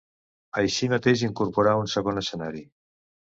Així mateix, incorporarà un segon escenari.